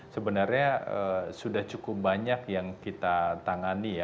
sebenarnya sudah cukup banyak yang kita tangani ya